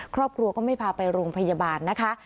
ครอบครัวก็ไม่พาไปโรงพยาบาลนะคะ